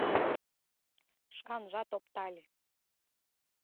Шканжат оптале.